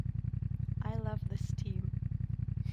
I love this team.